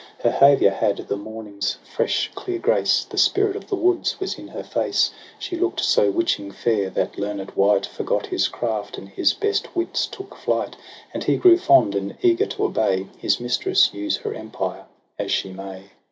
Her 'haviour had the morning's fresh clear grace, The spirit of the woods was in her face ; She look'd so witching fair, that learned wight Forgot his craft, and his best wits took flight. And he grew fond, and eager to obey His mistress, use her empire as she may.